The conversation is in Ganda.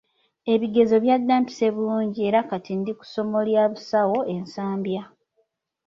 Ebigezo byadda mpise bulungi era kati ndi ku ssomo lya busawo e Nsambya.